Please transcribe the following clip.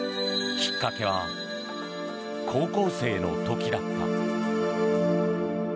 きっかけは高校生の時だった。